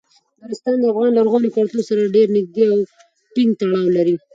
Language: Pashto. نورستان د افغان لرغوني کلتور سره ډیر نږدې او ټینګ تړاو لري.